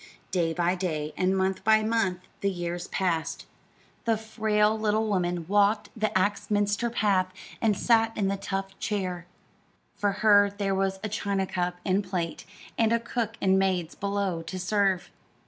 Day by day and month by month the years passed. The frail little woman walked the Axminster path and sat in the tufted chair. For her there were a china cup and plate, and a cook and maids below to serve.